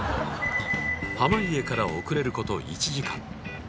濱家から遅れること１時間